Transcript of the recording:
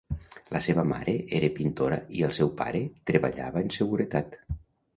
La seva mare era pintora i el seu pare treballava en seguretat.